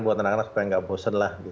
buat anak anak supaya nggak bosen lah